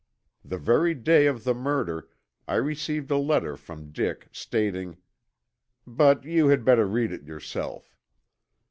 The very day of the murder I received a letter from Dick stating but you had better read it yourself."